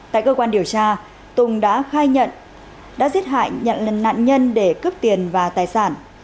tại cơ quan điều tra tùng đã khai nhận đã giết hại nhận nạn nhân để cướp tiền và tài sản